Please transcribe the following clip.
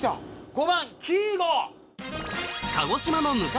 ５番キイゴ。